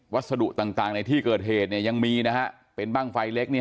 สดุต่างในที่เกิดเหตุยังมีนะฮะเป็นบ้างไฟเล็ก